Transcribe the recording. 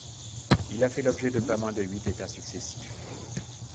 Il a fait l'objet de pas moins de huit états successifs.